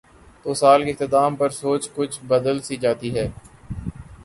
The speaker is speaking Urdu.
تو سال کے اختتام پر سوچ کچھ بدل سی جاتی ہے۔